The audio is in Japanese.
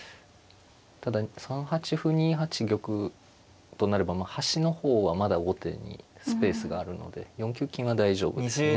ただ３八歩２八玉となれば端の方はまだ後手にスペースがあるので４九金は大丈夫ですね